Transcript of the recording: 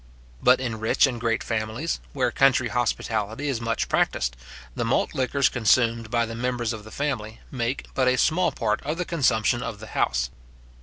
But in rich and great families, where country hospitality is much practised, the malt liquors consumed by the members of the family make but a small part of the consumption of the house.